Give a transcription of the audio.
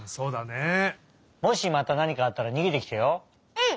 うん！